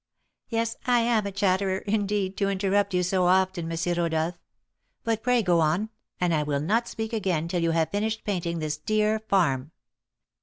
"Yes, I am a chatterer, indeed, to interrupt you so often, M. Rodolph; but pray go on, and I will not speak again till you have finished painting this dear farm."